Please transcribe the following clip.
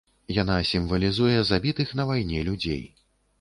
Яна сімвалізуе забітых на вайне людзей.